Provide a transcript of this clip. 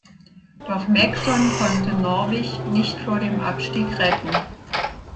Doch Megson konnte Norwich nicht vor dem Abstieg retten.